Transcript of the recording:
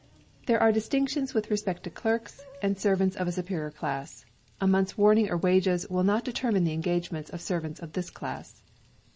There are Distinctions with respect to clerks, and servants of a superior class. A month's warning or wages will not determine the engagements of servants of this class.